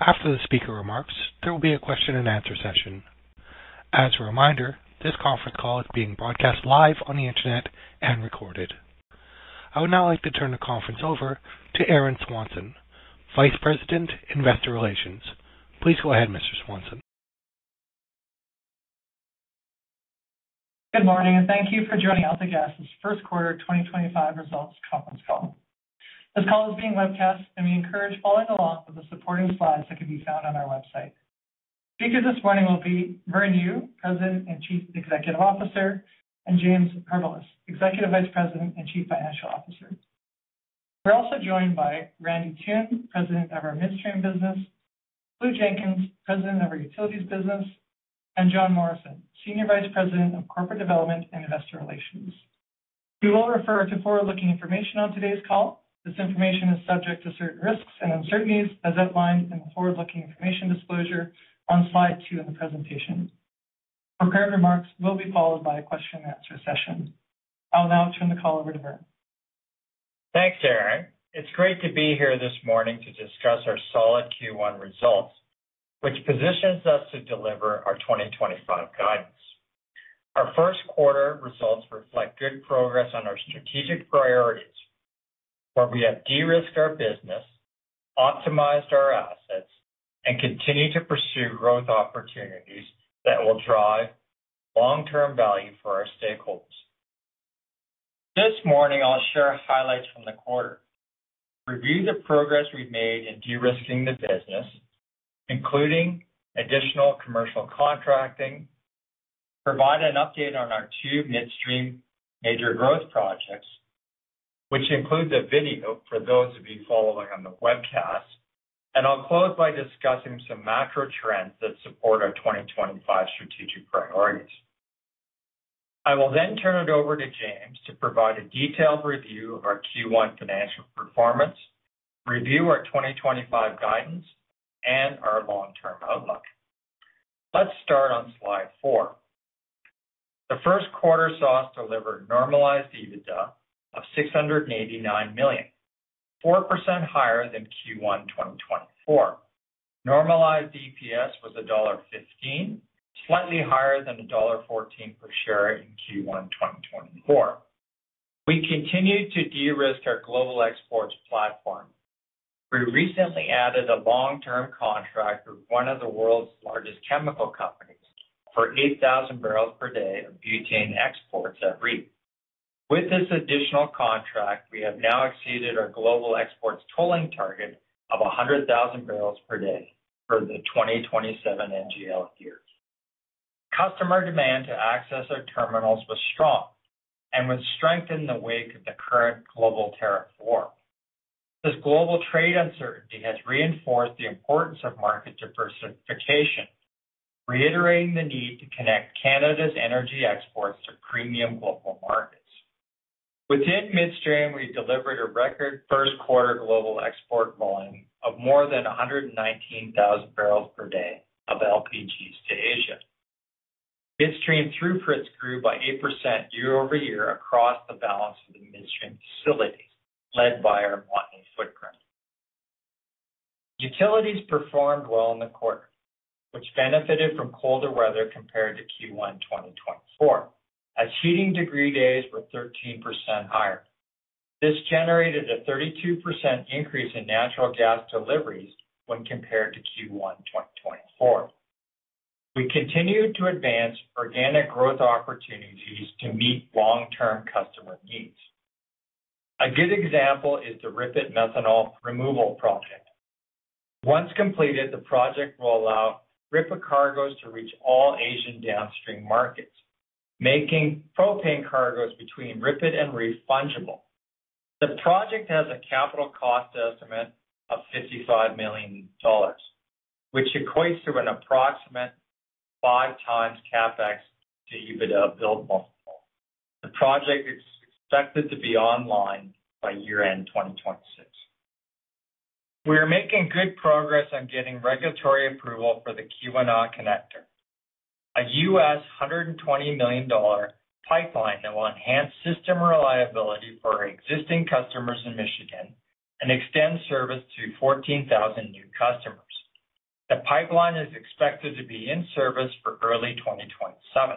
After the speaker remarks, there will be a question-and-answer session. As a reminder, this conference call is being broadcast live on the Internet and recorded. I would now like to turn the conference over to Aaron Swanson, Vice President, Investor Relations. Please go ahead, Mr. Swanson. Good morning, and thank you for joining AltaGas' first quarter 2025 results conference call. This call is being webcast, and we encourage following along with the supporting slides that can be found on our website. Speakers this morning will be Vern Yu, President and Chief Executive Officer, and James Harbilas, Executive Vice President and Chief Financial Officer. We are also joined by Randy Toone, President of our Midstream Business, Blue Jenkins, President of our Utilities Business, and Jon Morrison, Senior Vice President of Corporate Development and Investor Relations. We will refer to forward-looking information on today's call. This information is subject to certain risks and uncertainties, as outlined in the forward-looking information disclosure on slide two in the presentation. Prepared remarks will be followed by a question-and-answer session. I will now turn the call over to Vern. Thanks, Aaron. It's great to be here this morning to discuss our solid Q1 results, which positions us to deliver our 2025 guidance. Our first quarter results reflect good progress on our strategic priorities, where we have de-risked our business, optimized our assets, and continue to pursue growth opportunities that will drive long-term value for our stakeholders. This morning, I'll share highlights from the quarter, review the progress we've made in de-risking the business, including additional commercial contracting, provide an update on our two midstream major growth projects, which includes a video for those of you following on the webcast, and I'll close by discussing some macro trends that support our 2025 strategic priorities. I will then turn it over to James to provide a detailed review of our Q1 financial performance, review our 2025 guidance, and our long-term outlook. Let's start on slide four. The first quarter saw us deliver normalized EBITDA of 689 million, 4% higher than Q1 2024. Normalized EPS was dollar 1.15, slightly higher than dollar 1.14 per share in Q1 2024. We continue to de-risk our global exports platform. We recently added a long-term contract with one of the world's largest chemical companies for 8,000 barrels per day of butane exports at REEF. With this additional contract, we have now exceeded our global exports tolling target of 100,000 barrels per day for the 2027 NGL year. Customer demand to access our terminals was strong and was strengthened in the wake of the current global tariff war. This global trade uncertainty has reinforced the importance of market diversification, reiterating the need to connect Canada's energy exports to premium global markets. Within Midstream, we delivered a record first quarter global export volume of more than 119,000 barrels per day of LPGs to Asia. Midstream throughputs grew by 8% year-over-year across the balance of the Midstream facilities led by our Montney footprint. Utilities performed well in the quarter, which benefited from colder weather compared to Q1 2024, as heating degree days were 13% higher. This generated a 32% increase in natural gas deliveries when compared to Q1 2024. We continue to advance organic growth opportunities to meet long-term customer needs. A good example is the RIPET methanol removal project. Once completed, the project will allow RIPET cargoes to reach all Asian downstream markets, making propane cargoes between RIPET and REEF fungible. The project has a capital cost estimate of 55 million dollars, which equates to an approximate five times CapEx to EBITDA build multiple. The project is expected to be online by year-end 2026. We are making good progress on getting regulatory approval for the QNR connector. A $120 million pipeline that will enhance system reliability for our existing customers in Michigan and extend service to 14,000 new customers. The pipeline is expected to be in service for early 2027.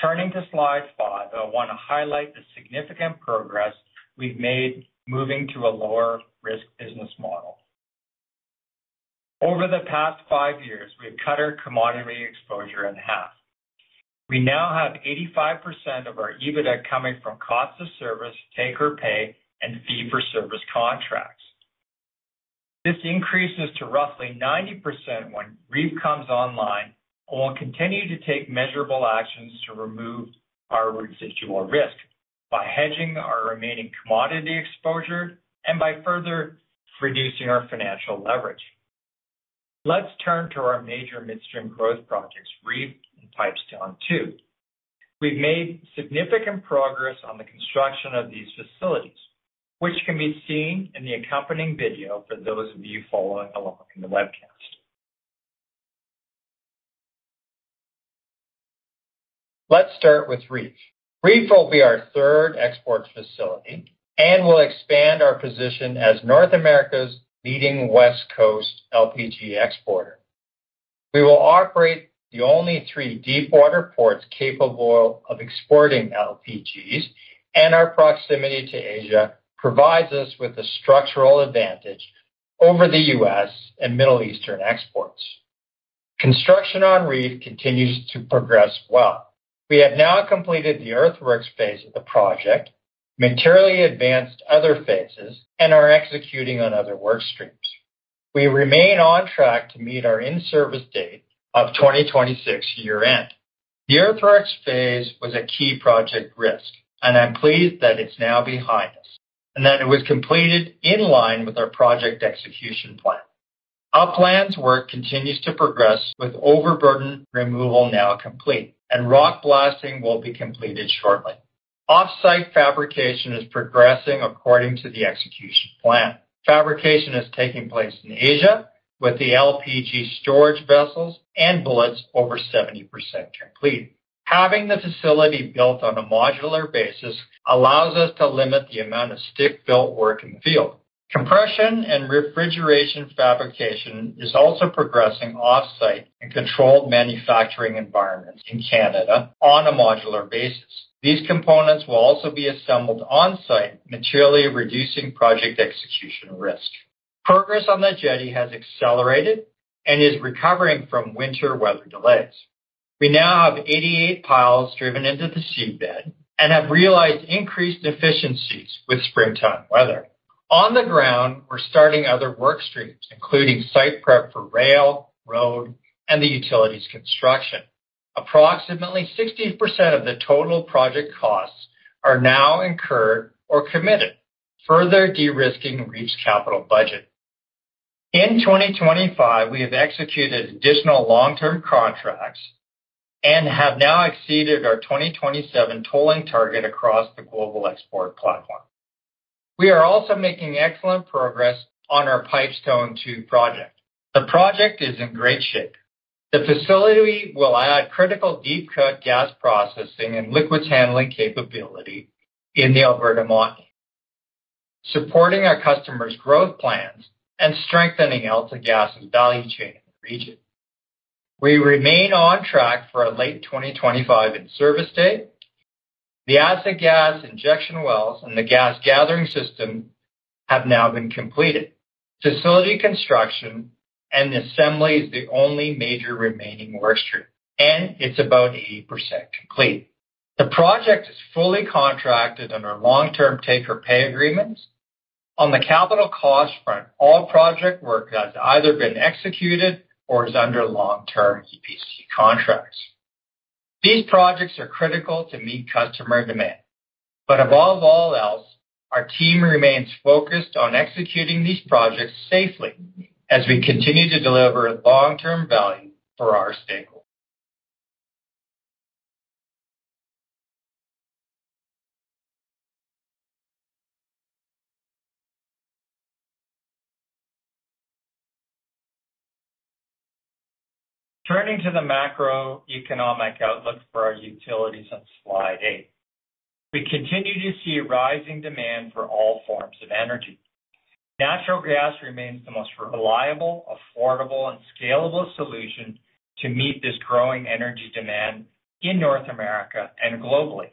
Turning to slide five, I want to highlight the significant progress we've made moving to a lower-risk business model. Over the past five years, we've cut our commodity exposure in half. We now have 85% of our EBITDA coming from cost of service, take-or-pay, and fee-for-service contracts. This increases to roughly 90% when REEF comes online and will continue to take measurable actions to remove our residual risk by hedging our remaining commodity exposure and by further reducing our financial leverage. Let's turn to our major midstream growth projects, REEF and Pipestone II. We've made significant progress on the construction of these facilities, which can be seen in the accompanying video for those of you following along in the webcast. Let's start with REEF. REEF will be our third export facility and will expand our position as North America's leading West Coast LPG exporter. We will operate the only three deep-water ports capable of exporting LPGs, and our proximity to Asia provides us with a structural advantage over the U.S. and Middle Eastern exports. Construction on REEF continues to progress well. We have now completed the earthworks phase of the project, materially advanced other phases, and are executing on other work streams. We remain on track to meet our in-service date of 2026 year-end. The earthworks phase was a key project risk, and I'm pleased that it's now behind us and that it was completed in line with our project execution plan. Our plans work continues to progress with overburden removal now complete, and rock blasting will be completed shortly. Off-site fabrication is progressing according to the execution plan. Fabrication is taking place in Asia with the LPG storage vessels and bullets over 70% complete. Having the facility built on a modular basis allows us to limit the amount of stick-built work in the field. Compression and refrigeration fabrication is also progressing off-site in controlled manufacturing environments in Canada on a modular basis. These components will also be assembled on-site, materially reducing project execution risk. Progress on the jetty has accelerated and is recovering from winter weather delays. We now have 88 piles driven into the seabed and have realized increased efficiencies with springtime weather. On the ground, we're starting other work streams, including site prep for rail, road, and the utilities construction. Approximately 60% of the total project costs are now incurred or committed, further de-risking REEF's capital budget. In 2025, we have executed additional long-term contracts and have now exceeded our 2027 tolling target across the global export platform. We are also making excellent progress on our Pipestone II project. The project is in great shape. The facility will add critical deep-cut gas processing and liquids handling capability in the Alberta Montney, supporting our customers' growth plans and strengthening AltaGas's value chain in the region. We remain on track for a late 2025 in-service date. The acid gas injection wells and the gas gathering system have now been completed. Facility construction and assembly is the only major remaining work stream, and it's about 80% complete. The project is fully contracted under long-term take-or-pay agreements. On the capital cost front, all project work has either been executed or is under long-term EPC contracts. These projects are critical to meet customer demand, but above all else, our team remains focused on executing these projects safely as we continue to deliver long-term value for our stakeholders. Turning to the macroeconomic outlook for our utilities on slide eight, we continue to see rising demand for all forms of energy. Natural gas remains the most reliable, affordable, and scalable solution to meet this growing energy demand in North America and globally.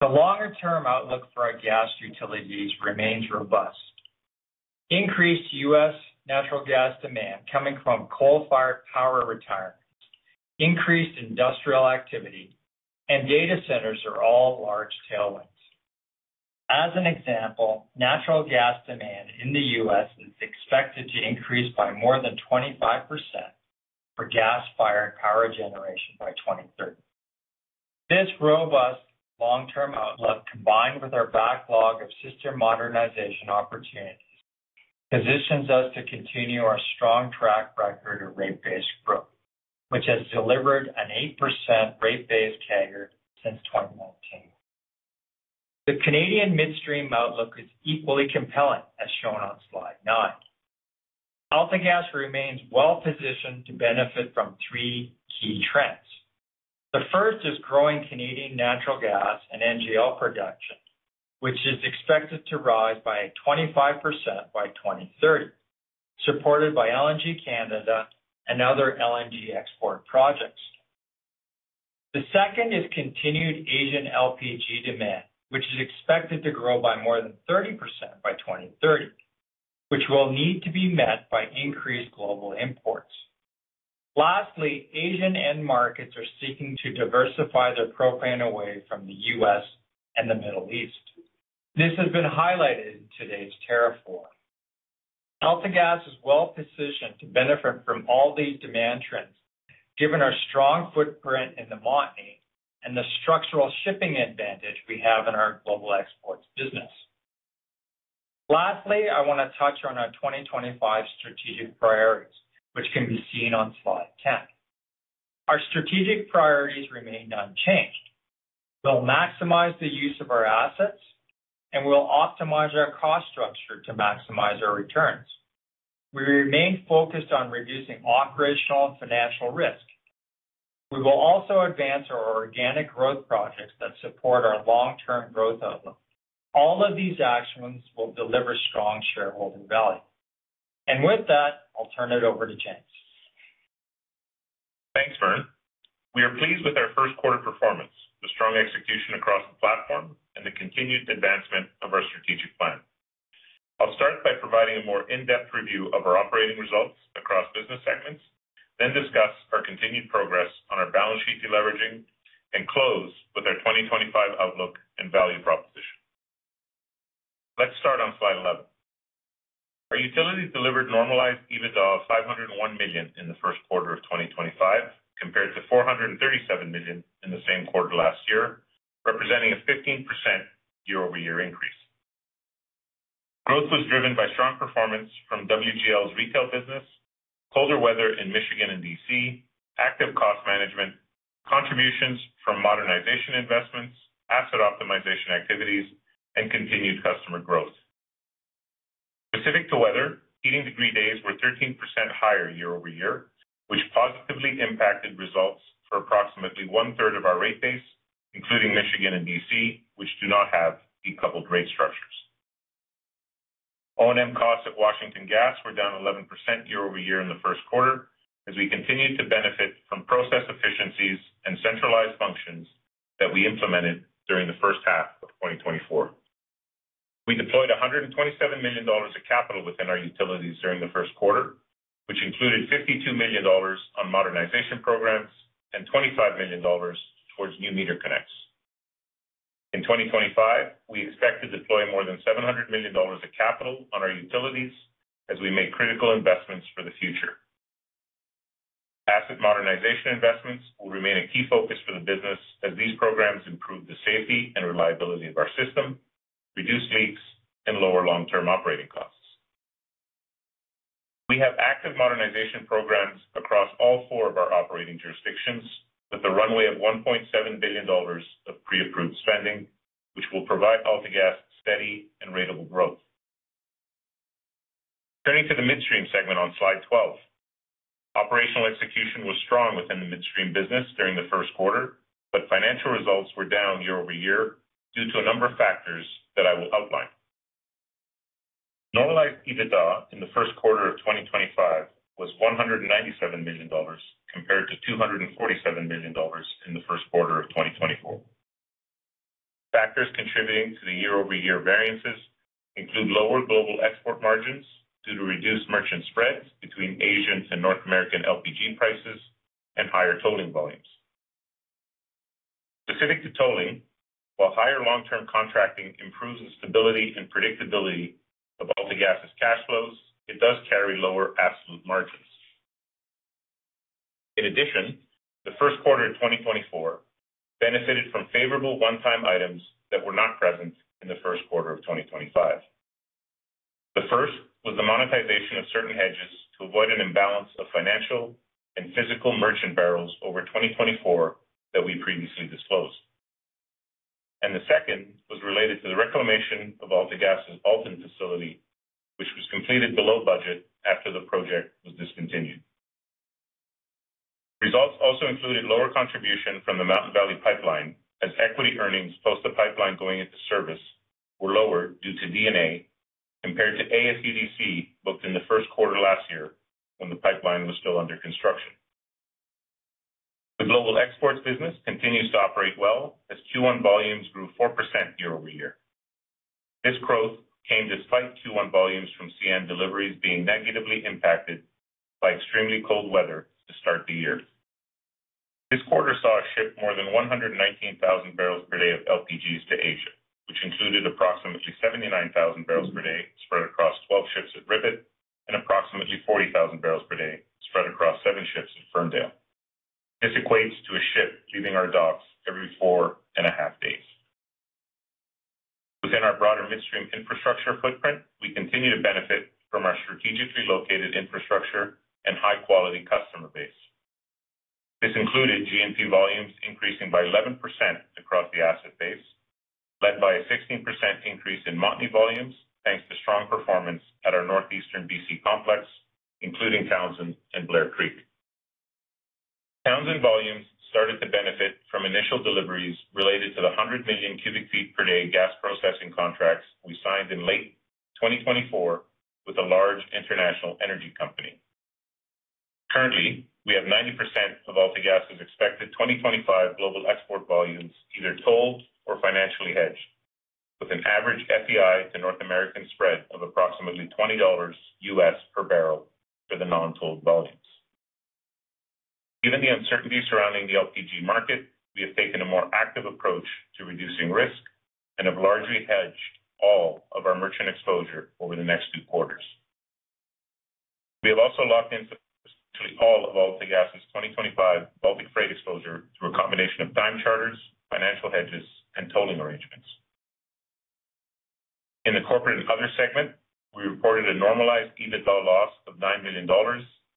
The longer-term outlook for our gas utilities remains robust. Increased U.S. natural gas demand coming from coal-fired power retirements, increased industrial activity, and data centers are all large tailwinds. As an example, natural gas demand in the U.S. is expected to increase by more than 25% for gas-fired power generation by 2030. This robust long-term outlook, combined with our backlog of system modernization opportunities, positions us to continue our strong track record of rate-based growth, which has delivered an 8% rate-based CAGR since 2019. The Canadian midstream outlook is equally compelling, as shown on slide nine. AltaGas remains well-positioned to benefit from three key trends. The first is growing Canadian natural gas and NGL production, which is expected to rise by 25% by 2030, supported by LNG Canada and other LNG export projects. The second is continued Asian LPG demand, which is expected to grow by more than 30% by 2030, which will need to be met by increased global imports. Lastly, Asian end markets are seeking to diversify their propane away from the U.S. and the Middle East. This has been highlighted in today's tariff war. AltaGas is well-positioned to benefit from all these demand trends, given our strong footprint in Montana and the structural shipping advantage we have in our global exports business. Lastly, I want to touch on our 2025 strategic priorities, which can be seen on slide 10. Our strategic priorities remain unchanged. We will maximize the use of our assets, and we will optimize our cost structure to maximize our returns. We remain focused on reducing operational and financial risk. We will also advance our organic growth projects that support our long-term growth outlook. All of these actions will deliver strong shareholder value. With that, I will turn it over to James. Thanks, Vern. We are pleased with our first quarter performance, the strong execution across the platform, and the continued advancement of our strategic plan. I'll start by providing a more in-depth review of our operating results across business segments, then discuss our continued progress on our balance sheet deleveraging, and close with our 2025 outlook and value proposition. Let's start on slide 11. Our utilities delivered normalized EBITDA of $501 million in the first quarter of 2025, compared to $437 million in the same quarter last year, representing a 15% year-over-year increase. Growth was driven by strong performance from WGL's retail business, colder weather in Michigan and D.C., active cost management, contributions from modernization investments, asset optimization activities, and continued customer growth. Specific to weather, heating degree days were 13% higher year-over-year, which positively impacted results for approximately one-third of our rate base, including Michigan and D.C., which do not have decoupled rate structures. O&M costs at Washington Gas were down 11% year-over-year in the first quarter, as we continued to benefit from process efficiencies and centralized functions that we implemented during the first half of 2024. We deployed 127 million dollars of capital within our utilities during the first quarter, which included 52 million dollars on modernization programs and 25 million dollars towards new meter connects. In 2025, we expect to deploy more than 700 million dollars of capital on our utilities as we make critical investments for the future. Asset modernization investments will remain a key focus for the business as these programs improve the safety and reliability of our system, reduce leaks, and lower long-term operating costs. We have active modernization programs across all four of our operating jurisdictions, with a runway of 1.7 billion dollars of pre-approved spending, which will provide AltaGas steady and rateable growth. Turning to the midstream segment on slide 12, operational execution was strong within the midstream business during the first quarter, but financial results were down year-over-year due to a number of factors that I will outline. Normalized EBITDA in the first quarter of 2025 was 197 million dollars compared to 247 million dollars in the first quarter of 2024. Factors contributing to the year-over-year variances include lower global export margins due to reduced merchant spreads between Asian and North American LPG prices and higher tolling volumes. Specific to tolling, while higher long-term contracting improves the stability and predictability of AltaGas's cash flows, it does carry lower absolute margins. In addition, the first quarter of 2024 benefited from favorable one-time items that were not present in the first quarter of 2025. The first was the monetization of certain hedges to avoid an imbalance of financial and physical merchant barrels over 2024 that we previously disclosed. The second was related to the reclamation of AltaGas's Alton facility, which was completed below budget after the project was discontinued. Results also included lower contribution from the Mountain Valley Pipeline as equity earnings post the pipeline going into service were lower due to D&A compared to AFUDC booked in the first quarter last year when the pipeline was still under construction. The global exports business continues to operate well as Q1 volumes grew 4% year-over-year. This growth came despite Q1 volumes from Canadian National Railway deliveries being negatively impacted by extremely cold weather to start the year. This quarter saw us ship more than 119,000 barrels per day of LPGs to Asia, which included approximately 79,000 barrels per day spread across 12 ships at RIPET and approximately 40,000 barrels per day spread across 7 ships at Ferndale. This equates to a ship leaving our docks every four and a half days. Within our broader midstream infrastructure footprint, we continue to benefit from our strategically located infrastructure and high-quality customer base. This included NGL volumes increasing by 11% across the asset base, led by a 16% increase in Montana volumes thanks to strong performance at our northeastern British Columbia complex, including Townsend and Blair Creek. Townsend volumes started to benefit from initial deliveries related to the 100 million cubic feet per day gas processing contracts we signed in late 2024 with a large international energy company. Currently, we have 90% of AltaGas's expected 2025 global export volumes either tolled or financially hedged, with an average FEI to North American spread of approximately $20 U.S. per barrel for the non-tolled volumes. Given the uncertainty surrounding the LPG market, we have taken a more active approach to reducing risk and have largely hedged all of our merchant exposure over the next two quarters. We have also locked in to essentially all of AltaGas's 2025 Baltic freight exposure through a combination of time charters, financial hedges, and tolling arrangements. In the corporate and other segment, we reported a normalized EBITDA loss of $9 million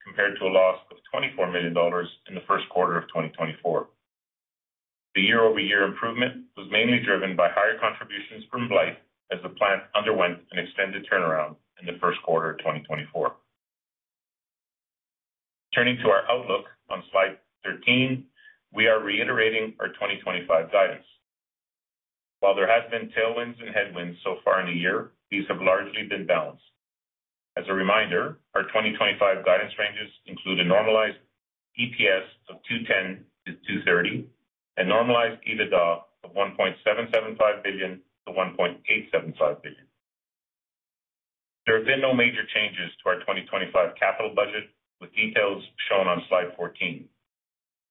compared to a loss of $24 million in the first quarter of 2024. The year-over-year improvement was mainly driven by higher contributions from Blythe as the plant underwent an extended turnaround in the first quarter of 2024. Turning to our outlook on slide 13, we are reiterating our 2025 guidance. While there have been tailwinds and headwinds so far in the year, these have largely been balanced. As a reminder, our 2025 guidance ranges include a normalized EPS of $2.10-$2.30 and normalized EBITDA of $1.775 billion-$1.875 billion. There have been no major changes to our 2025 capital budget, with details shown on slide 14.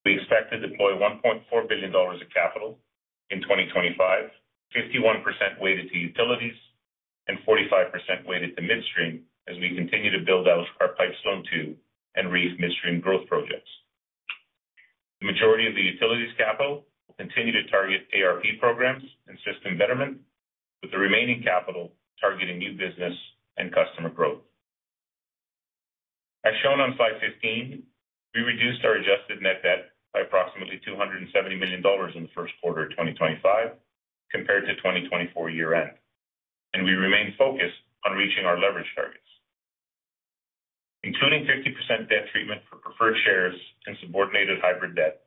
We expect to deploy $1.4 billion of capital in 2025, 51% weighted to utilities and 45% weighted to midstream as we continue to build Pipestone II and REEF midstream growth projects. The majority of the utilities capital will continue to target ARP programs and system betterment, with the remaining capital targeting new business and customer growth. As shown on slide 15, we reduced our adjusted net debt by approximately 270 million dollars in the first quarter of 2025 compared to 2024 year-end, and we remain focused on reaching our leverage targets. Including 50% debt treatment for preferred shares and subordinated hybrid debt,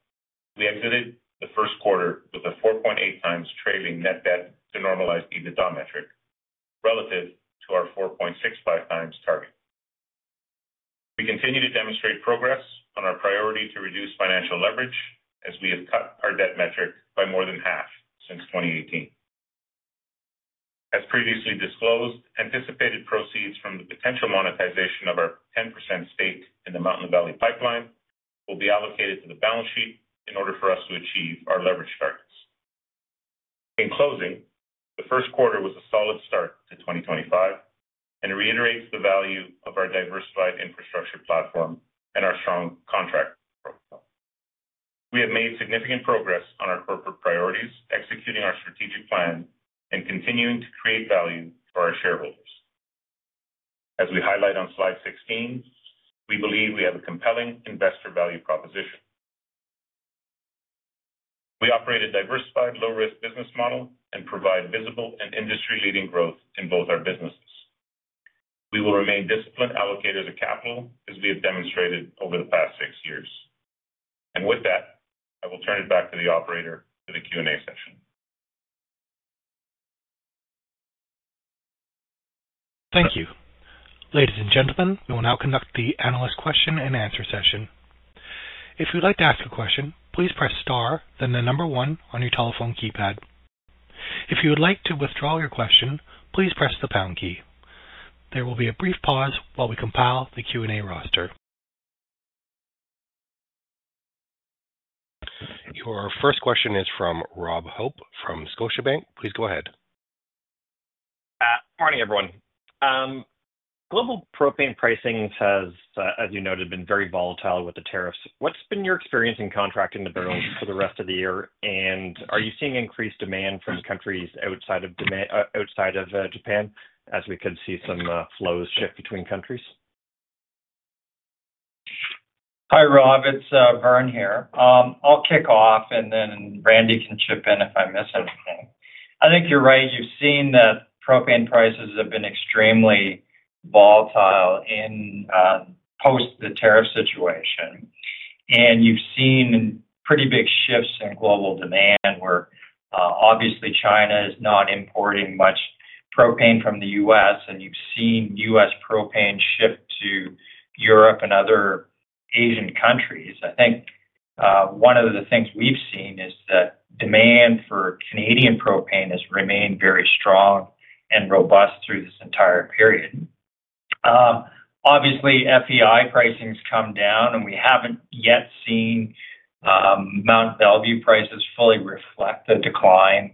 we exited the first quarter with a 4.8 times trailing net debt to normalized EBITDA metric relative to our 4.65 times target. We continue to demonstrate progress on our priority to reduce financial leverage as we have cut our debt metric by more than half since 2018. As previously disclosed, anticipated proceeds from the potential monetization of our 10% stake in the Mountain Valley Pipeline will be allocated to the balance sheet in order for us to achieve our leverage targets. In closing, the first quarter was a solid start to 2025 and reiterates the value of our diversified infrastructure platform and our strong contract profile. We have made significant progress on our corporate priorities, executing our strategic plan, and continuing to create value for our shareholders. As we highlight on slide 16, we believe we have a compelling investor value proposition. We operate a diversified low-risk business model and provide visible and industry-leading growth in both our businesses. We will remain disciplined allocators of capital as we have demonstrated over the past six years. With that, I will turn it back to the operator for the Q&A session. Thank you. Ladies and gentlemen, we will now conduct the analyst question and answer session. If you'd like to ask a question, please press star, then the number one on your telephone keypad. If you would like to withdraw your question, please press the pound key. There will be a brief pause while we compile the Q&A roster. Your first question is from Rob Hope from Scotiabank. Please go ahead. Good morning, everyone. Global propane pricing has, as you noted, been very volatile with the tariffs. What's been your experience in contracting the barrels for the rest of the year? Are you seeing increased demand from countries outside of Japan as we could see some flows shift between countries? Hi, Rob. It's Vern here. I'll kick off, and then Randy can chip in if I miss anything. I think you're right. You've seen that propane prices have been extremely volatile post the tariff situation. You've seen pretty big shifts in global demand where, obviously, China is not importing much propane from the U.S. You've seen U.S. propane shift to Europe and other Asian countries. I think one of the things we've seen is that demand for Canadian propane has remained very strong and robust through this entire period. Obviously, FEI pricing has come down, and we haven't yet seen Mountain Valley prices fully reflect the decline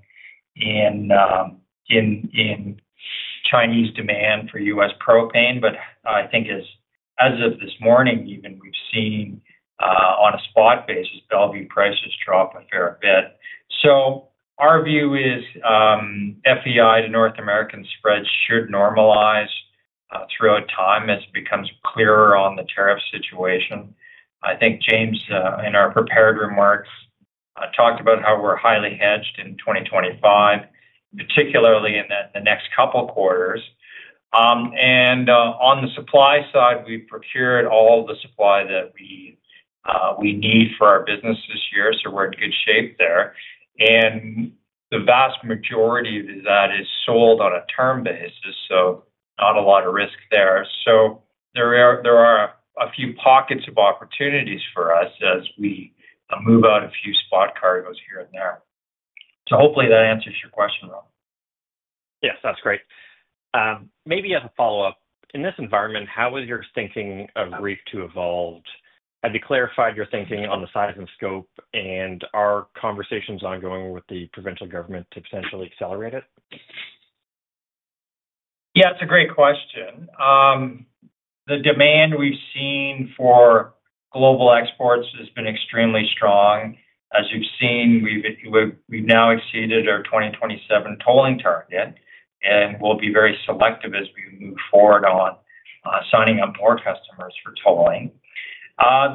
in Chinese demand for U.S. propane. I think, as of this morning even, we've seen on a spot basis, Belvieu prices drop a fair bit. Our view is FEI to North American spreads should normalize throughout time as it becomes clearer on the tariff situation. I think James in our prepared remarks talked about how we're highly hedged in 2025, particularly in the next couple of quarters. On the supply side, we've procured all the supply that we need for our business this year, so we're in good shape there. The vast majority of that is sold on a term basis, so not a lot of risk there. There are a few pockets of opportunities for us as we move out a few spot cargoes here and there. Hopefully that answers your question, Rob. Yes, that's great. Maybe as a follow-up, in this environment, how has your thinking of REEF 2 evolved? Have you clarified your thinking on the size and scope and are conversations ongoing with the provincial government to potentially accelerate it? Yeah, it's a great question. The demand we've seen for global exports has been extremely strong. As you've seen, we've now exceeded our 2027 tolling target, and we'll be very selective as we move forward on signing up more customers for tolling.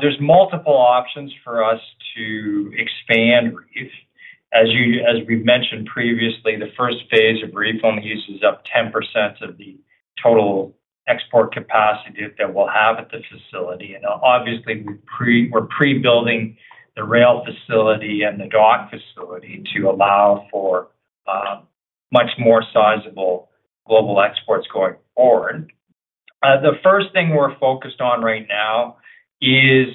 There are multiple options for us to expand REEF. As we've mentioned previously, the first phase of REEF only uses up 10% of the total export capacity that we'll have at the facility. Obviously, we're pre-building the rail facility and the dock facility to allow for much more sizable global exports going forward. The first thing we're focused on right now is,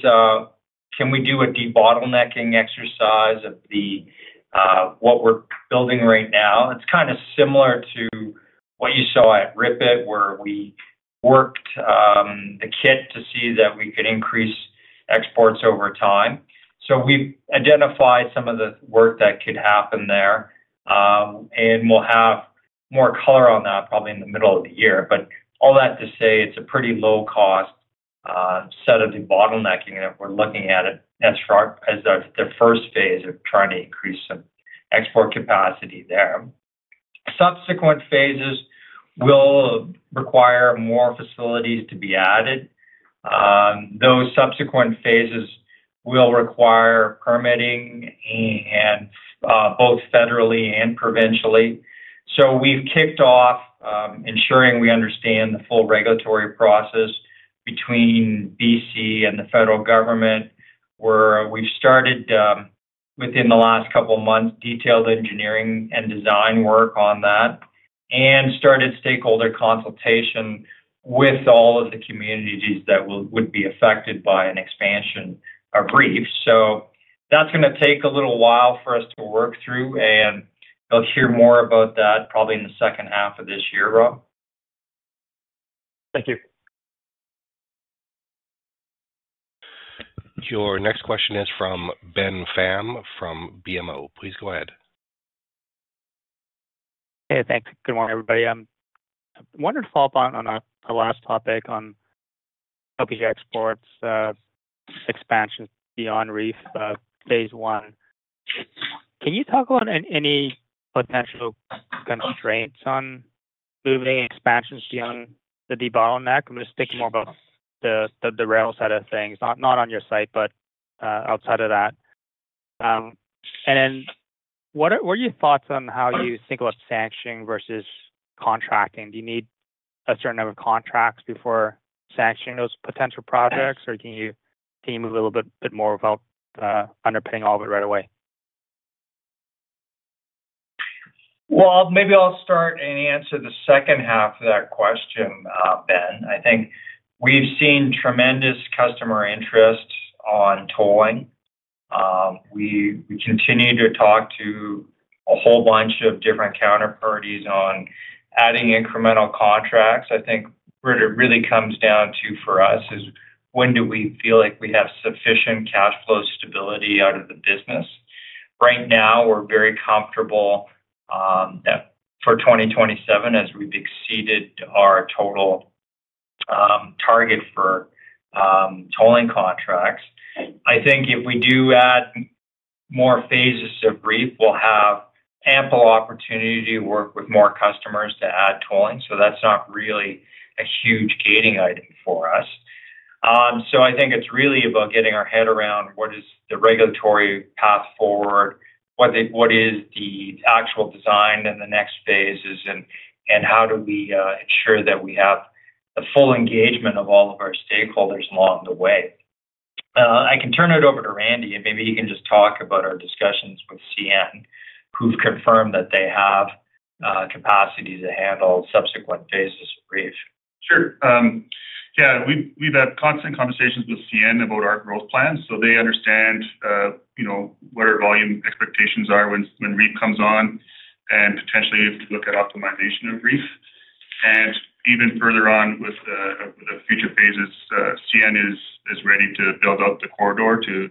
can we do a debottlenecking exercise of what we're building right now? It's kind of similar to what you saw at RIPET, where we worked the kit to see that we could increase exports over time. We've identified some of the work that could happen there, and we'll have more color on that probably in the middle of the year. All that to say, it's a pretty low-cost set of debottlenecking that we're looking at as the first phase of trying to increase some export capacity there. Subsequent phases will require more facilities to be added. Those subsequent phases will require permitting both federally and provincially. We have kicked off ensuring we understand the full regulatory process between BC and the federal government, where we have started within the last couple of months detailed engineering and design work on that and started stakeholder consultation with all of the communities that would be affected by an expansion of REEF. That is going to take a little while for us to work through, and you will hear more about that probably in the second half of this year, Rob. Thank you. Your next question is from Ben Pham from BMO. Please go ahead. Hey, thanks. Good morning, everybody. I wanted to follow up on our last topic on LPG exports expansion beyond REEF phase one. Can you talk about any potential constraints on moving expansions beyond the debottleneck? I'm just thinking more about the rail side of things, not on your site, but outside of that. What are your thoughts on how you think about sanctioning versus contracting? Do you need a certain number of contracts before sanctioning those potential projects, or can you move a little bit more without underpinning all of it right away? Maybe I'll start and answer the second half of that question, Ben. I think we've seen tremendous customer interest on tolling. We continue to talk to a whole bunch of different counterparties on adding incremental contracts. I think what it really comes down to for us is when do we feel like we have sufficient cash flow stability out of the business. Right now, we're very comfortable that for 2027, as we've exceeded our total target for tolling contracts. I think if we do add more phases of REEF, we'll have ample opportunity to work with more customers to add tolling. That is not really a huge gating item for us. I think it is really about getting our head around what is the regulatory path forward, what is the actual design and the next phases, and how do we ensure that we have the full engagement of all of our stakeholders along the way. I can turn it over to Randy, and maybe he can just talk about our discussions with CN, who have confirmed that they have capacity to handle subsequent phases of REEF. Sure. Yeah, we've had constant conversations with CN about our growth plan, so they understand what our volume expectations are when REEF comes on and potentially if we look at optimization of REEF. Even further on with the future phases, CN is ready to build up the corridor to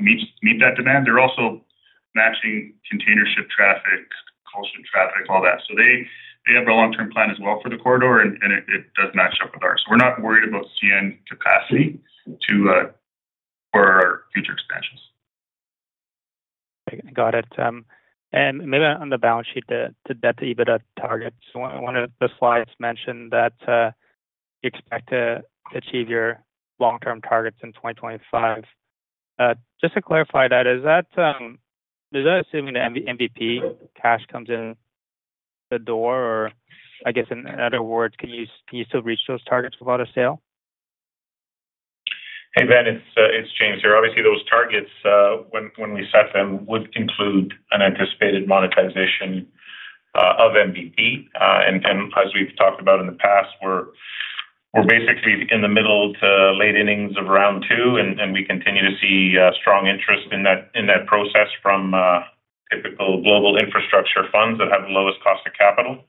meet that demand. They are also matching container ship traffic, coal ship traffic, all that. They have a long-term plan as well for the corridor, and it does match up with ours. We are not worried about CN capacity for our future expansions. Got it. Maybe on the balance sheet, the debt to EBITDA target, one of the slides mentioned that you expect to achieve your long-term targets in 2025. Just to clarify that, is that assuming the MVP cash comes in the door, or I guess in other words, can you still reach those targets without a sale? Hey, Ben, it is James here. Obviously, those targets, when we set them, would include an anticipated monetization of MVP. As we've talked about in the past, we're basically in the middle to late innings of round two, and we continue to see strong interest in that process from typical global infrastructure funds that have the lowest cost of capital.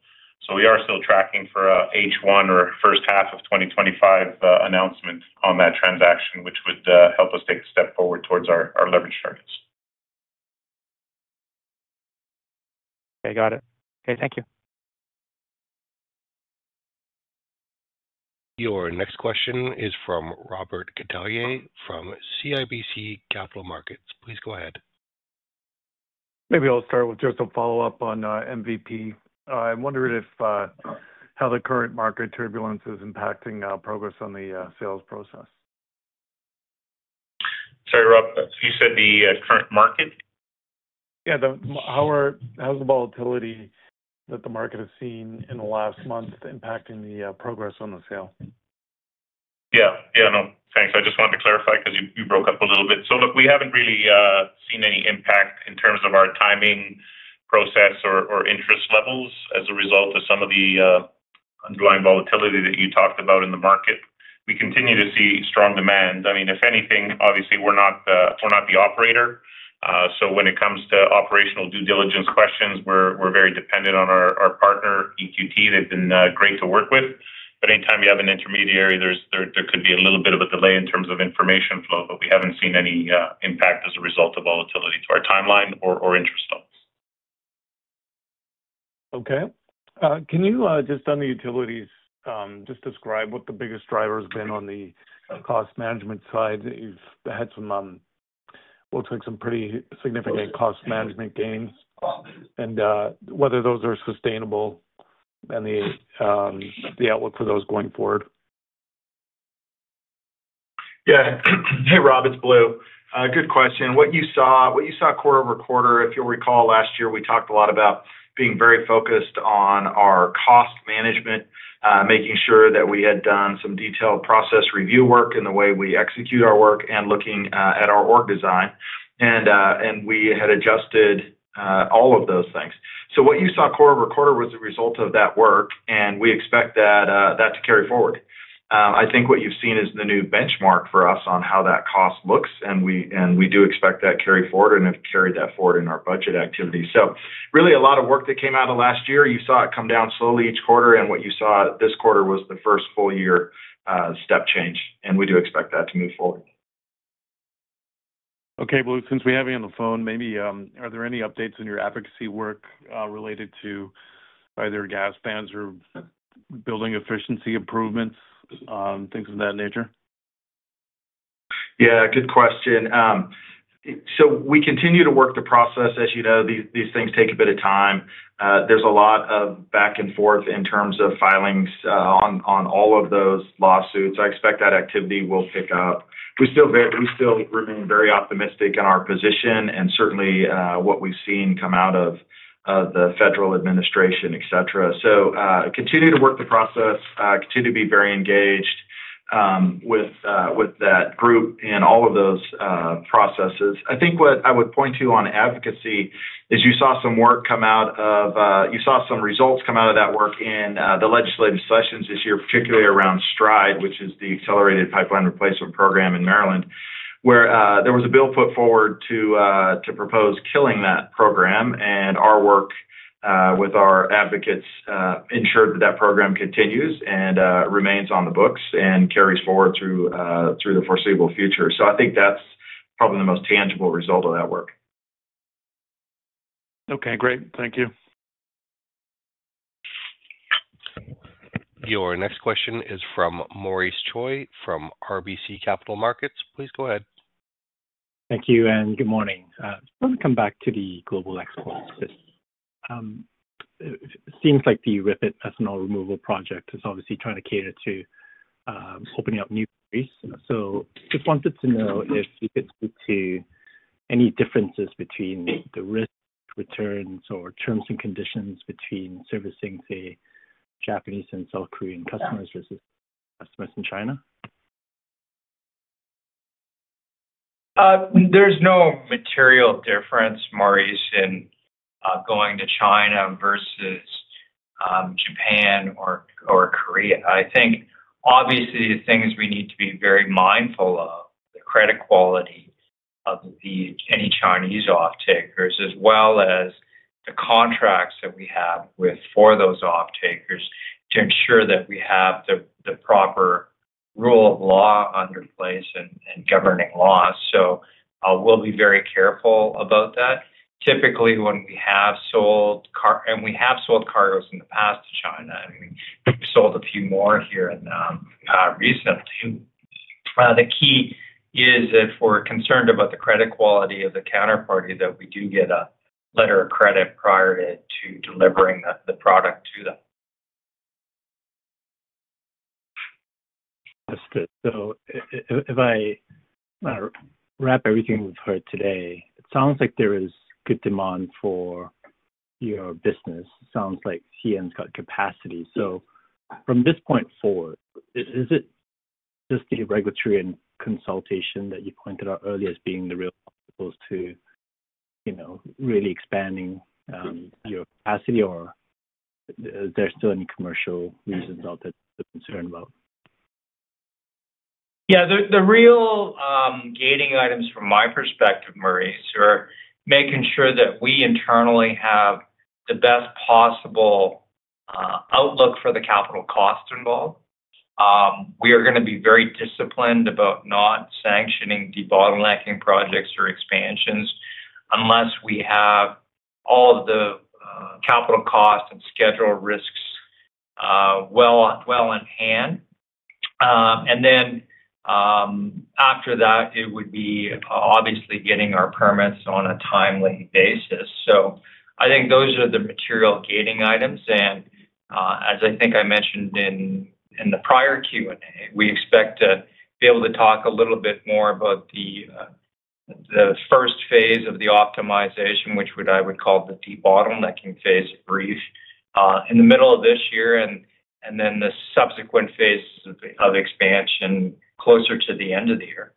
We are still tracking for H1 or first half of 2025 announcement on that transaction, which would help us take a step forward towards our leverage targets. Okay, got it. Okay, thank you. Your next question is from Robert Catellier from CIBC Capital Markets. Please go ahead. Maybe I'll start with just a follow-up on MVP. I wondered how the current market turbulence is impacting progress on the sales process. Sorry, Rob. You said the current market? Yeah, how's the volatility that the market has seen in the last month impacting the progress on the sale? Yeah, yeah, no, thanks. I just wanted to clarify because you broke up a little bit. Look, we haven't really seen any impact in terms of our timing process or interest levels as a result of some of the underlying volatility that you talked about in the market. We continue to see strong demand. I mean, if anything, obviously, we're not the operator. When it comes to operational due diligence questions, we're very dependent on our partner, EQT. They've been great to work with. Anytime you have an intermediary, there could be a little bit of a delay in terms of information flow, but we haven't seen any impact as a result of volatility to our timeline or interest levels. Okay. Can you, just on the utilities, just describe what the biggest driver has been on the cost management side? We've had some looks like some pretty significant cost management gains, and whether those are sustainable and the outlook for those going forward. Yeah. Hey, Rob, it's Blue. Good question. What you saw quarter over quarter, if you'll recall, last year, we talked a lot about being very focused on our cost management, making sure that we had done some detailed process review work in the way we execute our work and looking at our org design. And we had adjusted all of those things. What you saw quarter over quarter was the result of that work, and we expect that to carry forward. I think what you've seen is the new benchmark for us on how that cost looks, and we do expect that to carry forward and have carried that forward in our budget activity. Really, a lot of work that came out of last year, you saw it come down slowly each quarter, and what you saw this quarter was the first full-year step change. We do expect that to move forward. Okay, Blue, since we have you on the phone, maybe are there any updates in your advocacy work related to either gas bans or building efficiency improvements, things of that nature? Yeah, good question. We continue to work the process. As you know, these things take a bit of time. There is a lot of back and forth in terms of filings on all of those lawsuits. I expect that activity will pick up. We still remain very optimistic in our position and certainly what we have seen come out of the federal administration, etc. Continue to work the process, continue to be very engaged with that group in all of those processes. I think what I would point to on advocacy is you saw some work come out of, you saw some results come out of that work in the legislative sessions this year, particularly around STRIDE, which is the Accelerated Pipeline Replacement Program in Maryland, where there was a bill put forward to propose killing that program. Our work with our advocates ensured that that program continues and remains on the books and carries forward through the foreseeable future. I think that's probably the most tangible result of that work. Okay, great. Thank you. Your next question is from Maurice Choy from RBC Capital Markets. Please go ahead. Thank you, and good morning. I want to come back to the global exports. It seems like the RIPET ethanol removal project is obviously trying to cater to opening up new space. Just wanted to know if you could speak to any differences between the risk, returns, or terms and conditions between servicing, say, Japanese and South Korean customers versus customers in China? There's no material difference, Maurice, in going to China versus Japan or Korea. I think, obviously, the things we need to be very mindful of, the credit quality of any Chinese off-takers, as well as the contracts that we have for those off-takers, to ensure that we have the proper rule of law under place and governing laws. We will be very careful about that. Typically, when we have sold and we have sold cargoes in the past to China, and we've sold a few more here recently. The key is if we're concerned about the credit quality of the counterparty that we do get a letter of credit prior to delivering the product to them. Understood. If I wrap everything we've heard today, it sounds like there is good demand for your business. It sounds like CN's got capacity. From this point forward, is it just the regulatory consultation that you pointed out earlier as being the real obstacles to really expanding your capacity, or are there still any commercial reasons out there to be concerned about? Yeah, the real gating items from my perspective, Maurice, are making sure that we internally have the best possible outlook for the capital costs involved. We are going to be very disciplined about not sanctioning debottlenecking projects or expansions unless we have all of the capital costs and schedule risks well in hand. After that, it would be obviously getting our permits on a timely basis. I think those are the material gating items. As I think I mentioned in the prior Q&A, we expect to be able to talk a little bit more about the first phase of the optimization, which I would call the debottlenecking phase of REEF, in the middle of this year, and then the subsequent phases of expansion closer to the end of the year.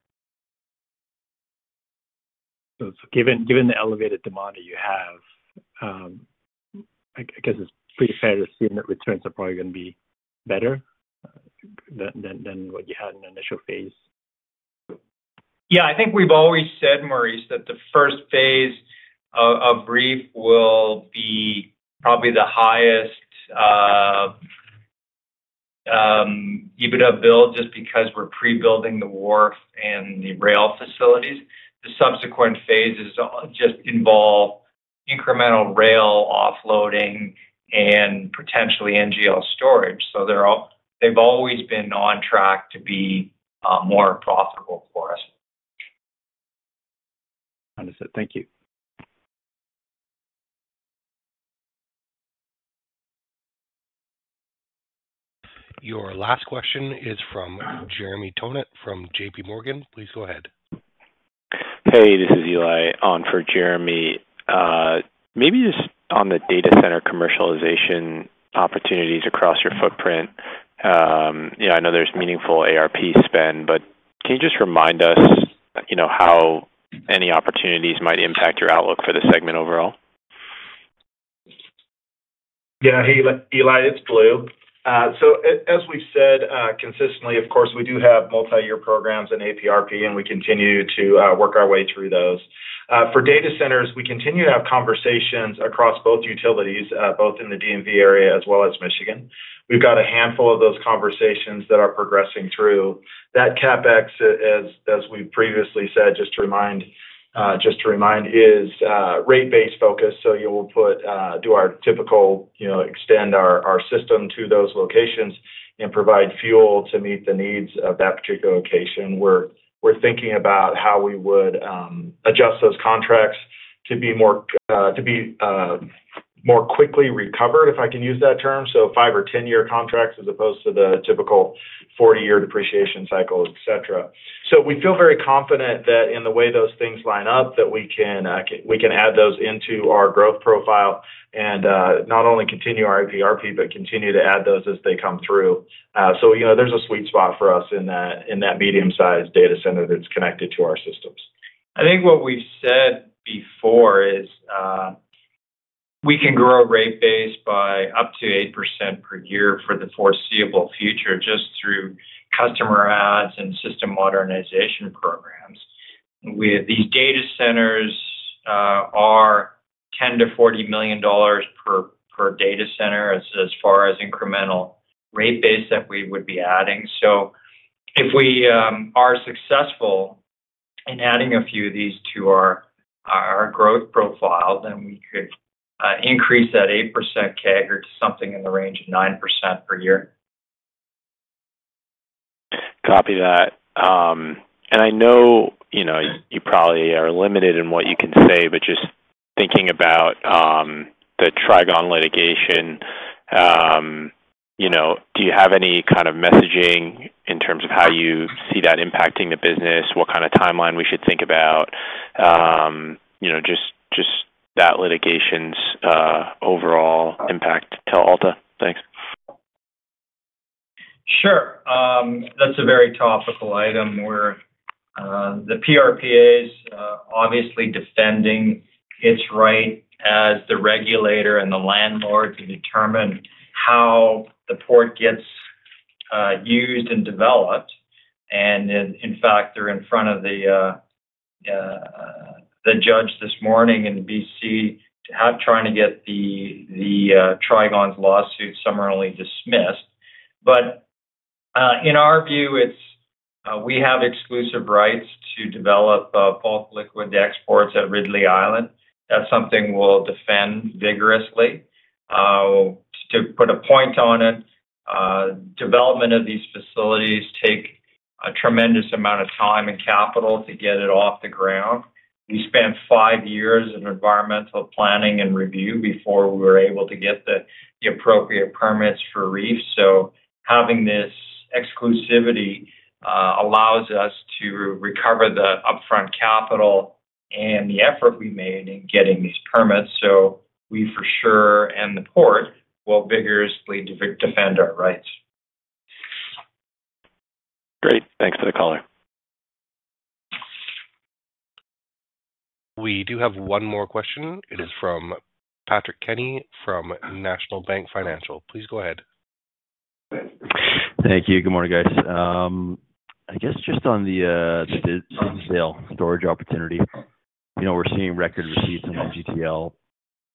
Given the elevated demand that you have, I guess it is pretty fair to assume that returns are probably going to be better than what you had in the initial phase. I think we have always said, Maurice, that the first phase of REEF will be probably the highest EBITDA build just because we are pre-building the wharf and the rail facilities. The subsequent phases just involve incremental rail offloading and potentially NGL storage. They have always been on track to be more profitable for us. Understood. Thank you. Your last question is from Jeremy Tonet from J.P. Morgan. Please go ahead. Hey, this is Eli on for Jeremy. Maybe just on the data center commercialization opportunities across your footprint. Yeah, I know there is meaningful ARP spend, but can you just remind us how any opportunities might impact your outlook for the segment overall? Yeah, Eli, it is Blue. As we have said consistently, of course, we do have multi-year programs in ARP, and we continue to work our way through those. For data centers, we continue to have conversations across both utilities, both in the DMV area as well as Michigan. We have got a handful of those conversations that are progressing through. That CapEx, as we've previously said, just to remind, is rate-based focus. You will do our typical extend our system to those locations and provide fuel to meet the needs of that particular location. We're thinking about how we would adjust those contracts to be more quickly recovered, if I can use that term. Five or 10-year contracts as opposed to the typical 40-year depreciation cycle, etc. We feel very confident that in the way those things line up, we can add those into our growth profile and not only continue our APRP, but continue to add those as they come through. There's a sweet spot for us in that medium-sized data center that's connected to our systems. I think what we've said before is we can grow rate base by up to 8% per year for the foreseeable future just through customer adds and system modernization programs. These data centers are $10 million-$40 million per data center as far as incremental rate base that we would be adding. If we are successful in adding a few of these to our growth profile, then we could increase that 8% CAGR to something in the range of 9% per year. Copy that. I know you probably are limited in what you can say, but just thinking about the Trigon litigation, do you have any kind of messaging in terms of how you see that impacting the business, what kind of timeline we should think about, just that litigation's overall impact to AltaGas? Thanks. Sure. That's a very topical item where the PRPA is obviously defending its right as the regulator and the landlord to determine how the port gets used and developed. In fact, they're in front of the judge this morning in British Columbia trying to get Trigon's lawsuit summarily dismissed. In our view, we have exclusive rights to develop bulk liquid exports at Ridley Island. That's something we'll defend vigorously. To put a point on it, development of these facilities takes a tremendous amount of time and capital to get it off the ground. We spent five years of environmental planning and review before we were able to get the appropriate permits for REEF. Having this exclusivity allows us to recover the upfront capital and the effort we made in getting these permits. We for sure and the port will vigorously defend our rights. Great. Thanks for the color. We do have one more question. It is from Patrick Kenny from National Bank Financial. Please go ahead. Thank you. Good morning, guys. I guess just on the CGL storage opportunity, we're seeing record receipts on CGL.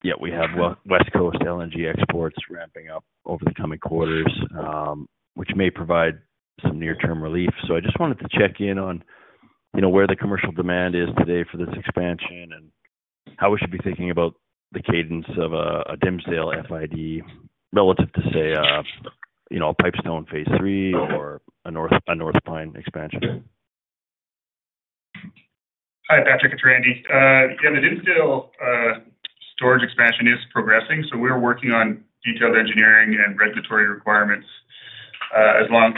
Yeah, we have West Coast LNG exports ramping up over the coming quarters, which may provide some near-term relief. I just wanted to check in on where the commercial demand is today for this expansion and how we should be thinking about the cadence of a Dimsdale FID relative to, say, a Pipestone Phase 3 or a North Pine expansion. Hi, Patrick. It's Randy. Yeah, the Dimsdale storage expansion is progressing. We are working on detailed engineering and regulatory requirements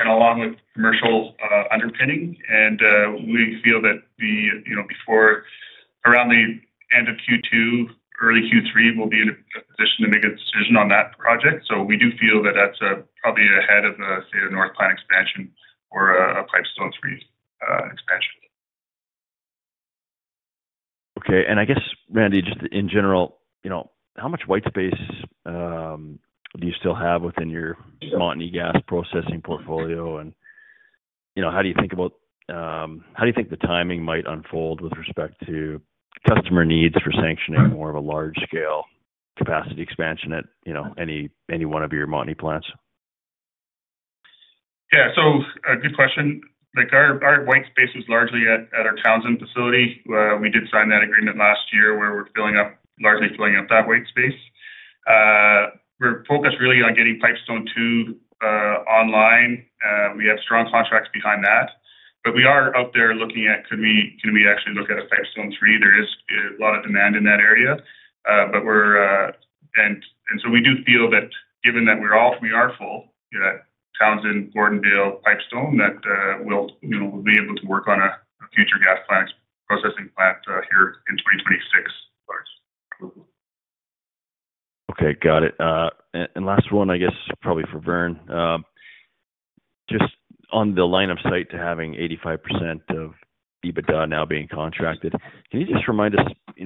along with commercial underpinning. We feel that around the end of Q2, early Q3, we'll be in a position to make a decision on that project. We do feel that that's probably ahead of, say, a North Pine expansion or a Pipestone 3 expansion. Okay. I guess, Randy, just in general, how much white space do you still have within your Montney gas processing portfolio? How do you think about how do you think the timing might unfold with respect to customer needs for sanctioning more of a large-scale capacity expansion at any one of your Montney gas plants? Yeah. Good question. Our white space is largely at our Townsend facility. We did sign that agreement last year where we're largely filling up that white space. We're focused really on getting Pipestone II online. We have strong contracts behind that. We are out there looking at, can we actually look at a Pipestone 3? There is a lot of demand in that area. We do feel that given that we are full, Townsend, Gordondale, Pipestone, that we'll be able to work on a future gas processing plant here in 2026. Okay. Got it. Last one, I guess, probably for Vern. Just on the line of sight to having 85% of EBITDA now being contracted, can you just remind us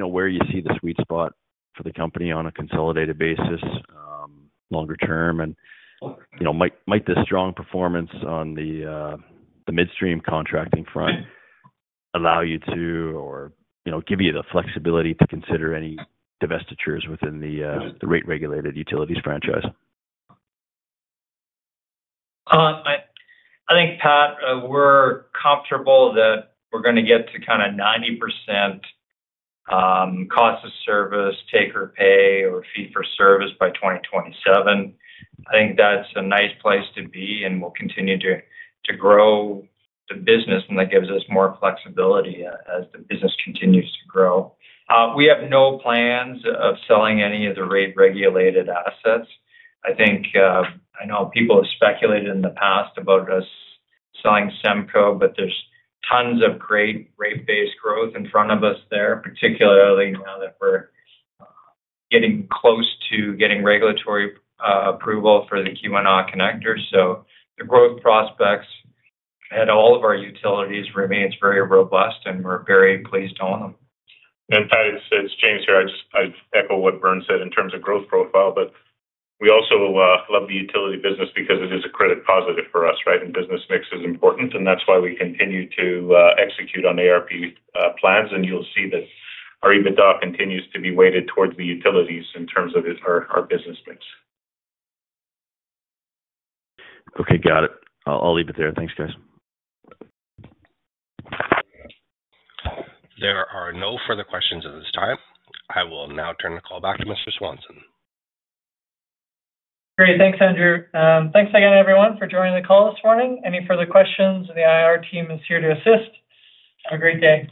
where you see the sweet spot for the company on a consolidated basis longer term? Might this strong performance on the midstream contracting front allow you to, or give you the flexibility to consider any divestitures within the rate-regulated utilities franchise? I think, Pat, we're comfortable that we're going to get to kind of 90% cost of service, take-or-pay, or fee-for-service by 2027. I think that's a nice place to be, and we'll continue to grow the business, and that gives us more flexibility as the business continues to grow. We have no plans of selling any of the rate-regulated assets. I know people have speculated in the past about us selling SEMCO, but there's tons of great rate-based growth in front of us there, particularly now that we're getting close to getting regulatory approval for the QNR connector. The growth prospects at all of our utilities remain very robust, and we're very pleased on them. Pat, it's James here. I'd echo what Vern said in terms of growth profile, but we also love the utility business because it is a credit positive for us, right? Business mix is important, and that's why we continue to execute on ARP plans. You will see that our EBITDA continues to be weighted towards the utilities in terms of our business mix. Okay. Got it. I'll leave it there. Thanks, guys. There are no further questions at this time. I will now turn the call back to Mr. Swanson. Great. Thanks, Andrew. Thanks again, everyone, for joining the call this morning. Any further questions, the IR team is here to assist. Have a great day.